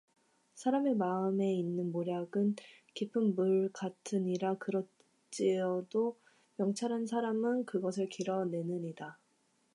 사람의 마음에 있는 모략은 깊은 물 같으니라 그럴찌라도 명철한 사람은 그것을 길어 내느니라